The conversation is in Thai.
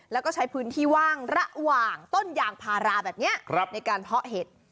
แล้วก็ใช้พื้นที่ว่างระหว่างต้นยางพาราแบบนี้ในการเพาะเห็ด